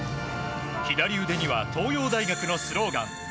左腕には東洋大学のスローガン